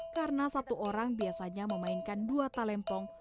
karena satu orang biasanya memainkan dua talempong